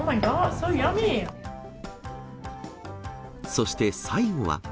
そして最後は。